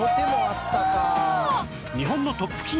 日本のトップ企業